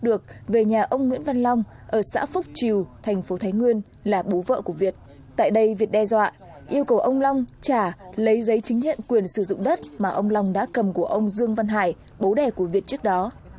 được về nhà ông nguyễn văn long ở xã phúc triều thành phố thái nguyên là bố vợ của việt tại đây việt đe dọa yêu cầu ông long trả lấy giấy chứng nhận quyền sử dụng đất mà ông long đã cầm của ông dương văn hải bố đẻ của việt trước đó